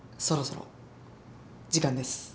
そろそろ時間です。